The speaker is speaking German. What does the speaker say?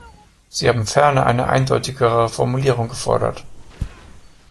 Sie haben ferner eine eindeutigere Formulierung gefordert.